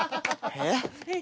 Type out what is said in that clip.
えっ？